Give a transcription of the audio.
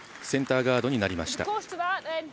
センターガードになりました。